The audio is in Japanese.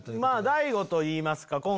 大悟といいますか。